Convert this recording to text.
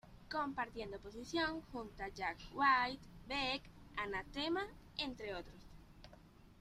Compartiendo posición junto a Jack White, Beck, Anathema, entre otros.